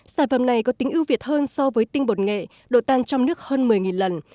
sản phẩm này có tính ưu việt hơn so với tinh bột nghệ độ tan trong nước hơn một mươi lần